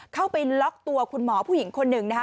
เข้าไปล็อกตัวคุณหมอผู้หญิงคนหนึ่งนะคะ